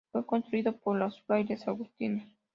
Fue construido por los frailes agustinos.